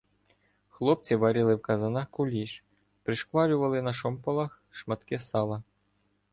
Хлопці варили в казанах куліш, пришкварювали на шомполах шматки сала.